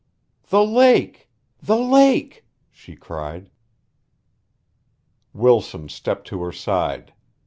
"The lake! The lake!" she cried. Wilson stepped to her side.